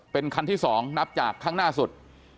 เป็นคันที่๒นับจากข้างหน้าสุด